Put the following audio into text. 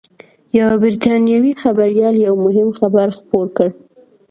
یوه بریټانوي خبریال یو مهم خبر خپور کړ